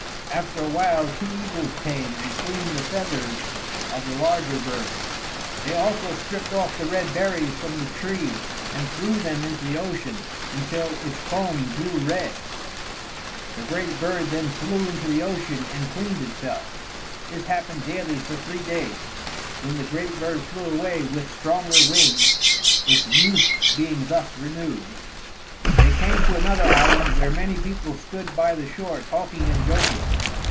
After a while two eagles came and cleaned the feathers of the larger bird. They also stripped off the red berries from the tree and threw them into the ocean until its foam grew red. The great bird then flew into the ocean and cleaned itself. This happened daily for three days, when the great bird flew away with stronger wings, its youth being thus renewed. They came to another island where many people stood by the shore talking and joking.